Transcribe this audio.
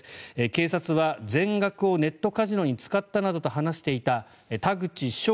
警察は全額をネットカジノに使ったなどと話していた田口翔